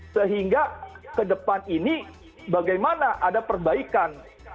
sehingga ke depan ini bagaimana ada perbaikan